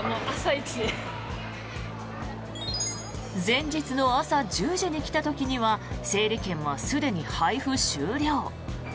前日の朝１０時に来た時には整理券はすでに配布終了。